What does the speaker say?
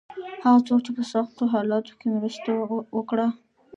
هغه څوک چې په سختو حالاتو کې مرسته وکړه.